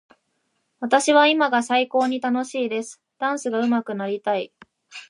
私は今が最高に楽しいです。ダンスがうまくなりたい。